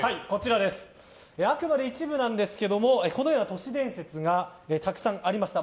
あくまで一部なんですけどもこのような都市伝説がたくさんありました。